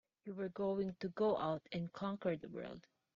You were going to go out and conquer the world!